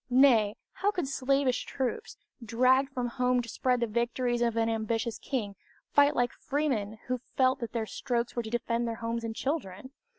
Nay, how could slavish troops, dragged from home to spread the victories of an ambitious king, fight like freemen who felt that their strokes were to defend their homes and children?